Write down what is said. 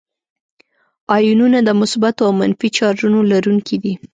آیونونه د مثبتو او منفي چارجونو لرونکي دي.